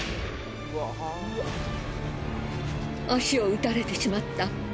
足を撃たれてしまった